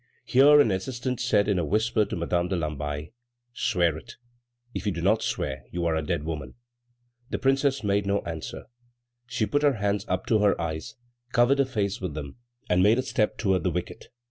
Here an assistant said in a whisper to Madame de Lamballe: "Swear it! if you do not swear, you are a dead woman." The Princess made no answer; she put her hands up to her eyes, covered her face with them and made a step toward the wicket.